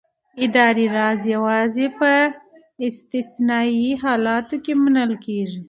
اداري راز یوازې په استثنايي حالاتو کې منل کېږي.